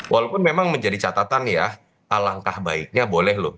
walaupun memang menjadi catatan ya alangkah baiknya boleh loh